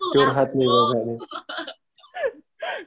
curhat nih banget nih